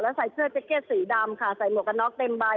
ใส่เสื้อแจ็คเก็ตสีดำค่ะใส่หมวกกันน็อกเต็มใบ